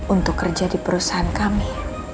untuk kerja di perusahaan kami